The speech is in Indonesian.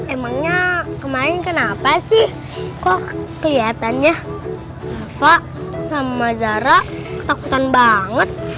emangnya kemarin kenapa sih kok kelihatannya pak sama zara ketakutan banget